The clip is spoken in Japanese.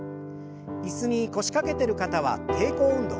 椅子に腰掛けてる方は抵抗運動。